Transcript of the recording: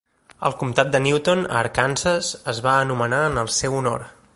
El comtat de Newton, a Arkansas, es va anomenar en el seu honor.